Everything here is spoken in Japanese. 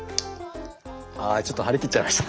あちょっと張り切っちゃいました。